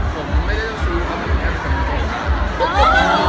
คันที่แล้วบอกว่ามีหัวสวยแบบเอะครับ